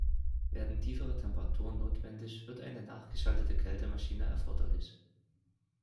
Werden tiefere Temperaturen notwendig, wird eine nachgeschaltete Kältemaschine erforderlich.